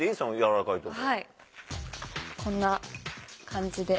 こんな感じで。